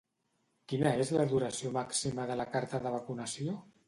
Quina és la duració màxima de la carta de vacunació?